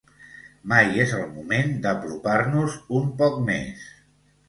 Mai és el moment d’apropar-nos un poc més!